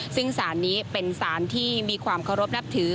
ซึ่งสารนี้เป็นสารที่มีความเคารพนับถือ